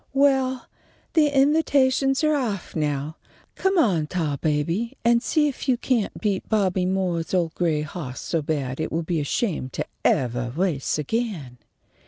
"Well, the invitations are off now. Come on, Tarbaby, and see if you can't beat Bobby Moore's old gray hawse so bad it will be ashamed to evah race again."